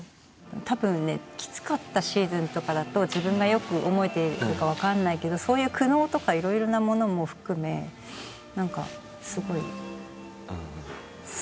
多分ねきつかったシーズンとかだと自分が良く思えているかわからないけどそういう苦悩とか色々なものも含めなんかすごい刺さった。